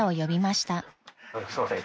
すいません。